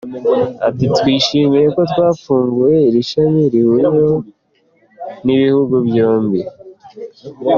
Ati “Twishimiye ko twafunguye iri shami rihuriweho n’ibihugu byombi.